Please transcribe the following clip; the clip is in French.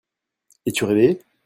Es-tu réveillé ?